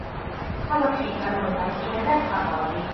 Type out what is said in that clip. ქალაქში იწარმოება რკინა და ქაღალდი.